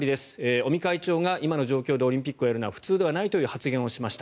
尾身会長が今の状況でオリンピックをやるのは普通ではないという発言をしました。